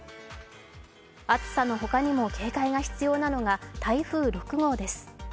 暑さのほかにも、警戒が必要なのが台風６号です。